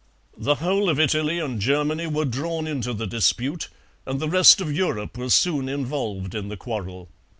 The whole of Italy and Germany were drawn into the dispute, and the rest of Europe was soon involved in the quarrel.